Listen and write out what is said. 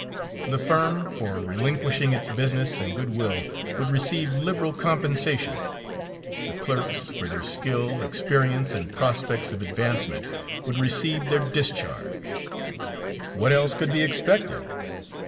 The firm, for relinquishing its business and good will, would receive liberal compensation; the clerks, for their skill, experience, and prospects of advancement, would receive their discharge. What else could be expected?